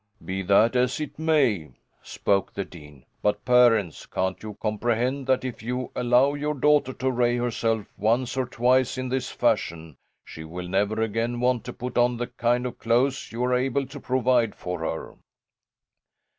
"Be that as it may," spoke the dean. "But parents, can't you comprehend that if you allow your daughter to array herself once or twice in this fashion she will never again want to put on the kind of clothes you are able to provide for her?"